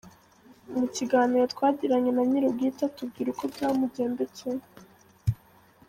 Mu kiganiro twagiranye na nyir’ubwite atubwira uko byamugendekeye.